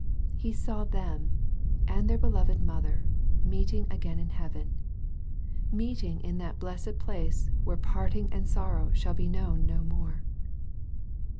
He saw them and their beloved mother meeting again in heaven — ^meeting in that blessed place where parting and sorrow shall be known no more.